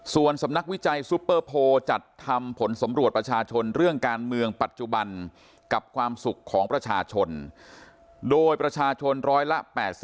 ส่วนสำนักวิจัยซุปเปอร์โพลจัดทำผลสำรวจประชาชนเรื่องการเมืองปัจจุบันกับความสุขของประชาชนโดยประชาชนร้อยละ๘๐